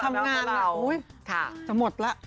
ทำงานจะหมดแล้ว